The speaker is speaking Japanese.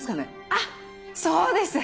あっそうです。